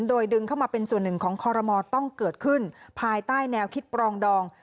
โดยดึงเข้ามาเป็นส่วนหนึ่งของคอรมอลต้องเกิดขึ้นภายใต้แนวคิดปรองดอง